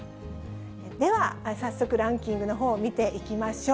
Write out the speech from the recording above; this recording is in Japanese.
では、早速ランキングのほう見ていきましょう。